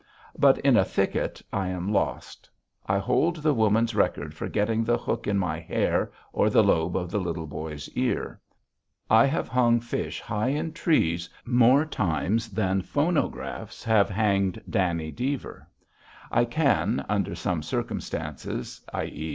But in a thicket I am lost. I hold the woman's record for getting the hook in my hair or the lobe of the Little Boy's ear. I have hung fish high in trees more times than phonographs have hanged Danny Deever. I can, under such circumstances (i.e.